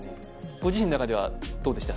ご自身の中ではどうでした？